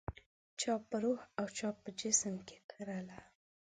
چا په روح او چا په جسم کې کرله